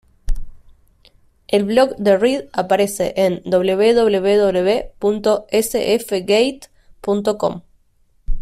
El blog de Reed aparece en www.sfgate.com.